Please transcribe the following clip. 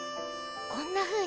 こんなふうに。